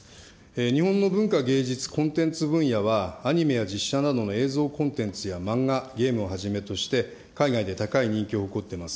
日本の文化、芸術、コンテンツ分野は、アニメや実写などの映像コンテンツや漫画、ゲームをはじめとして、海外で高い人気を誇っています